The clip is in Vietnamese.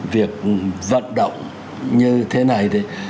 việc vận động như thế này